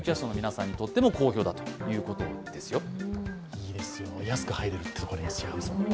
いいですよ、安く入れるということです。